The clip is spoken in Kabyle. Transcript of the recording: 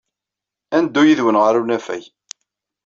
Ad neddu yid-wen ɣer unafag.